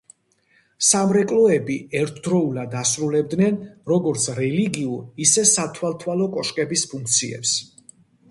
სამრეკლოები ერთდროულად ასრულებდნენ როგორც რელიგიურ, ისე სათვალთვალო კოშკების ფუნქციებს.